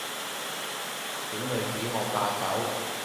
小女子我怕醜